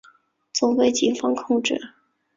总部被警方监控。